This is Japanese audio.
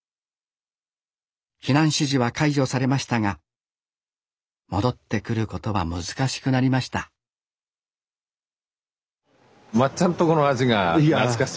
避難指示は解除されましたが戻ってくることは難しくなりました松ちゃんとこの味が懐かしいんです。